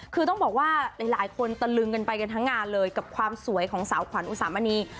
คือต้องบอกว่าหลายคนตะลึงกันไปกันทั้งงานเลยกับความสวยของสาวขวัญอุสามณี